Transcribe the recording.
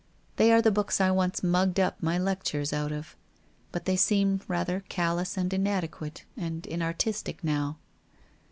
They are the books I once mugged up my lectures out of, but they seem rather callous and inadequate and inartistic now.